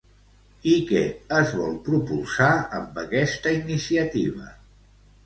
I què es vol propulsar amb aquesta iniciativa?